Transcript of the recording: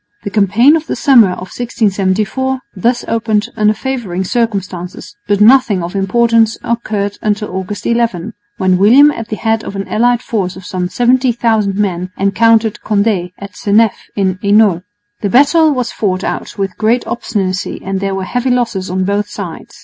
The campaign of the summer of 1674 thus opened under favouring circumstances, but nothing of importance occurred until August 11, when William at the head of an allied force of some 70,000 men encountered Condé at Seneff in Hainault. The battle was fought out with great obstinacy and there were heavy losses on both sides.